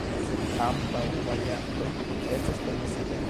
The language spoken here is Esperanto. Sed ambaŭ variantoj estas permesitaj.